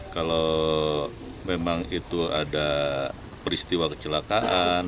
kalau memang itu ada peristiwa kecelakaan